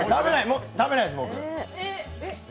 食べないです、僕。